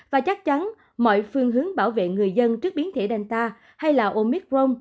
và chắc chắn mọi phương hướng bảo vệ người dân trước biến thể danta hay là omicron